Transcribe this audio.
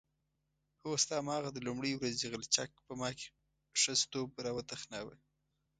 هو ستا هماغه د لومړۍ ورځې غلچک په ما کې ښځتوب راوتخناوه.